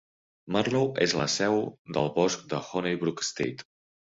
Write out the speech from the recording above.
Marlow és la seu del bosc de Honey Brook State.